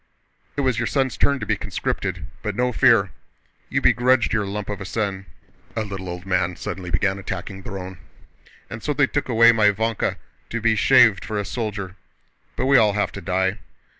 "It was your son's turn to be conscripted, but no fear! You begrudged your lump of a son," a little old man suddenly began attacking Dron—"and so they took my Vánka to be shaved for a soldier! But we all have to die."